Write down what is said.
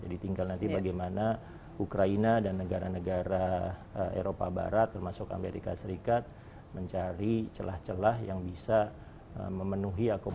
jadi tinggal nanti bagaimana ukraina dan negara negara eropa barat termasuk amerika serikat mencari celah celah yang bisa memenuhi akuntasi